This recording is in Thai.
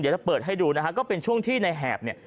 จะเปิดให้ดูนะฮะก็เป็นช่วงที่ในแหบเนี่ย